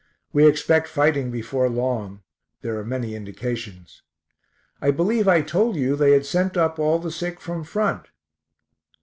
We expect fighting before long; there are many indications. I believe I told you they had sent up all the sick from front.